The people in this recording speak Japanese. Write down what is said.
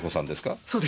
そうです。